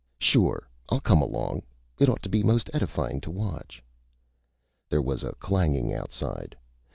Sure I'll come along! It'd ought to be most edifyin' to watch!" There was a clanging outside.